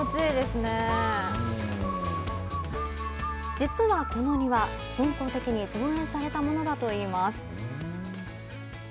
実はこの庭、人工的に造園されたものだといいます。